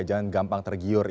jangan gampang tergiur